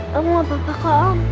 kamu gak apa apa kok om